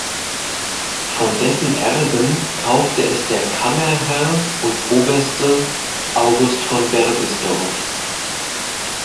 Von dessen Erben kaufte es der Kammerherr und Oberste August von Berbisdorf.